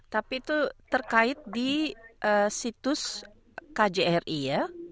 tapi itu terkait di situs kjri ya